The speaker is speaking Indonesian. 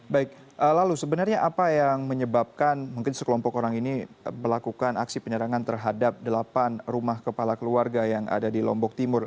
baik lalu sebenarnya apa yang menyebabkan mungkin sekelompok orang ini melakukan aksi penyerangan terhadap delapan rumah kepala keluarga yang ada di lombok timur